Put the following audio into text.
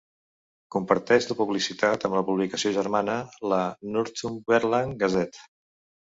Comparteix la publicitat amb la publicació germana, la "Northumberland Gazette".